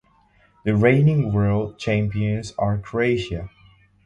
The reigning World Champions are Croatia.